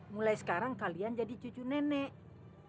mulai sekarang kalian jadi cucu nenek